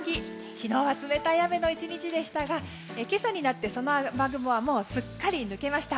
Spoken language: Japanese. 昨日は冷たい雨の１日でしたが今朝になってその雨雲はすっかり抜けました。